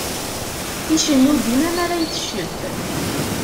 Icennu dima mara iteccef.